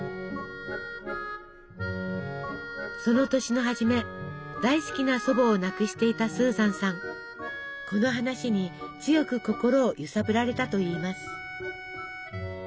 その年の初め大好きな祖母を亡くしていたこの話に強く心を揺さぶられたといいます。